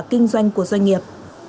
kinh doanh của doanh nghiệp